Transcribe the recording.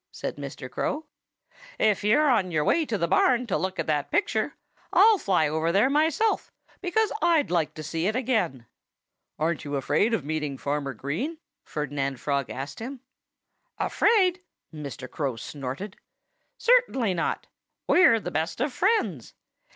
said Mr. Crow. "If you're on your way to the barn to look at that picture, I'll fly over there myself, because I'd like to see it again." "Aren't you afraid of meeting Farmer Green?" Ferdinand Frog asked him. "Afraid?" Mr. Crow snorted. "Certainly not! We're the best of friends.